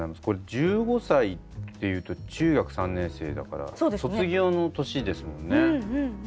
これ１５歳っていうと中学３年生だから卒業の年ですもんね。